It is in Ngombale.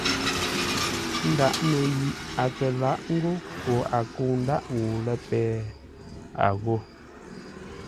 Ńdǎʼ no yi a kə lǎʼ ńgó koo a kə̂u ńdáʼ ŋuu lə́ péh, a ghô.